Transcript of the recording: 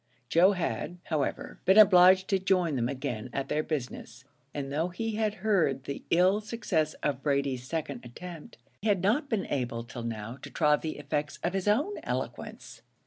Joe had, however, been obliged to join them again at their business, and though he had heard the ill success of Brady's second attempt, he had not been able till now to try the effects of his own eloquence.